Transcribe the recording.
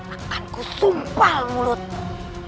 akanku sumpah mulutmu